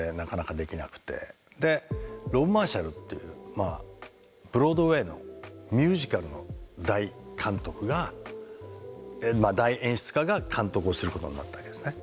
でロブ・マーシャルっていうまあブロードウェイのミュージカルの大監督がまあ大演出家が監督をすることになったわけですね。